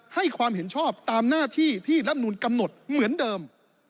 ให้ความเห็นชอบตามหน้าที่ที่รับนูลกำหนดเหมือนเดิม